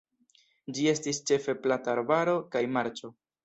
Ĝi estis ĉefe plata arbaro kaj marĉo.